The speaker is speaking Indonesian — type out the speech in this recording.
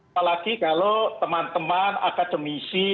apalagi kalau teman teman akademisi